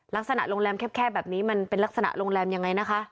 ลักษณะโรงแรมแคบแบบนี้มันเป็นลักษณะโรงแรมยังไงนะคะ